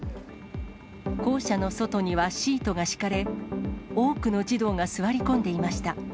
校舎の外にはシートが敷かれ、多くの児童が座り込んでいました。